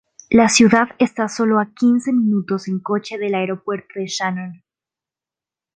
La ciudad está a solo quince minutos en coche del Aeropuerto de Shannon.